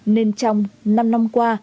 nên trong năm năm qua